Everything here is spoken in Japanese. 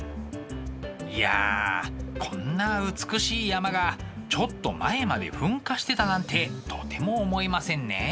いやこんな美しい山がちょっと前まで噴火してたなんてとても思えませんねえ。